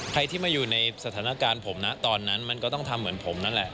ใครที่มาอยู่ในสถานการณ์ผมนะตอนนั้นมันก็ต้องทำเหมือนผมนั่นแหละ